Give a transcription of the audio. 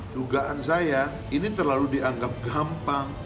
dugaan saya ini terlalu dianggap gampang